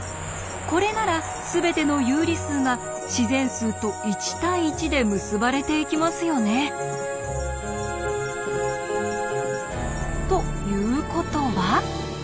これならすべての有理数が自然数と１対１で結ばれていきますよね。ということは？